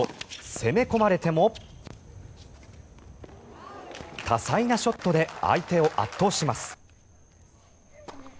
攻め込まれても多彩なショットで相手を圧倒します。